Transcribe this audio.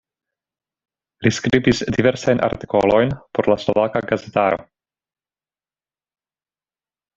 Li skribis diversajn artikolojn por la slovaka gazetaro.